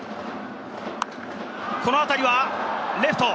この当たりはレフト。